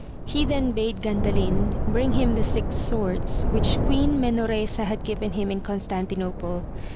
He then bade Gandalin bring him the six swords, which Queen Menoresa had given him in Constanti nople.